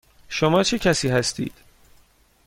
شما چه کسی هستید؟